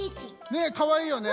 ねえかわいいよね。